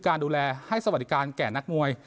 การดูแลให้สวัสดิการแก่นักมวย